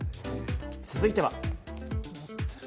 続いては。